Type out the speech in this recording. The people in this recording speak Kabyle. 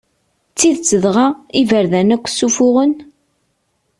D tidet dɣa, iberdan akk ssufuɣen?